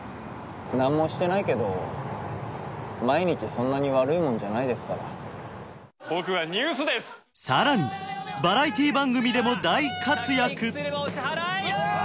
なんもしてないけど毎日そんなに悪いもんじゃないですからさらにバラエティー番組でも大活躍